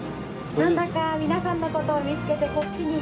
なんだか皆さんの事を見つけてこっちに。